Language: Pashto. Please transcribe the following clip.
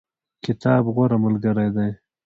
کتاب غوره ملګری دی